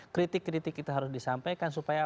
kritik kritik itu harus disampaikan supaya